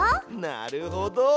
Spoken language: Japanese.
なるほど！